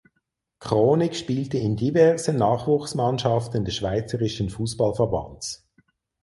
Kronig spielte in diversen Nachwuchsmannschaften des Schweizerischen Fussballverbands.